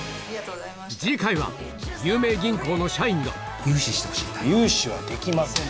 次回は有名銀行の社員が融資はできません。